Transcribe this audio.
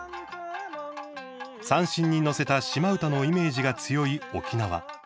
三線に乗せた島唄のイメージが強い沖縄。